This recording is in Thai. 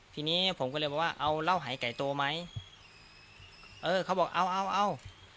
ทีนี้ผมก็เลยบอกว่าเอาเหล้าหายไก่โตไหมเออเขาบอกเอาเอาเอา